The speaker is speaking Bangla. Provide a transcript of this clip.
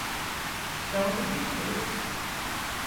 সে আমাদের মিথ্যা বলেছে।